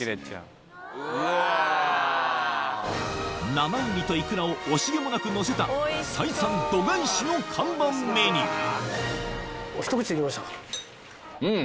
生うにといくらを惜しげもなくのせた採算度外視の看板メニューうん！